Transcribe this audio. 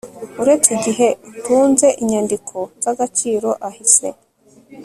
Uretse igihe utunze inyandiko z agaciro ahise